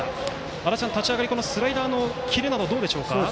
足達さん、立ち上がりスライダーのキレなどどうですか。